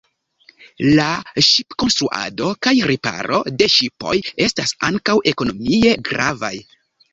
La ŝipkonstruado kaj riparo de ŝipoj estas ankaŭ ekonomie gravaj.